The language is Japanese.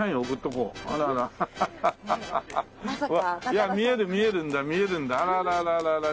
いや見える見えるんだ見えるんだあららら。